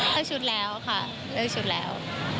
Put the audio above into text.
เลือกชุดแล้วค่ะเลือกชุดแล้ว